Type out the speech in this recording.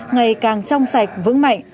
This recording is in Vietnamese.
ngày càng trong sạch vững mạnh